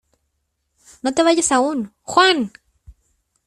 No te vayas aún, ¡Juan!